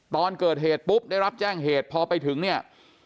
ตอนเกิดเหตุปุ๊บได้รับแจ้งเหตุพอไปถึงเนี่ย